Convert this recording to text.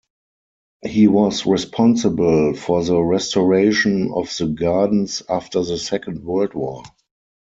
He was responsible for the restoration of the gardens after the Second World War.